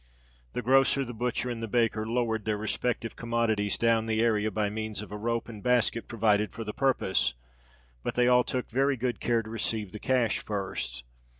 The grocer, the butcher, and the baker lowered their respective commodities down the area by means of a rope and basket provided for the purpose; but they all took very good care to receive the cash first.